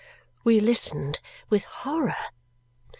We listened with horror.